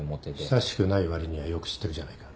親しくないわりにはよく知ってるじゃないか。